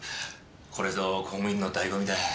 これぞ公務員の醍醐味だよ。